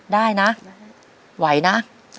ได้นะไหวนะ